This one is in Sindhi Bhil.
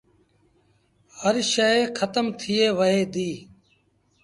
هر شئي کتم ٿئي وهي ديٚ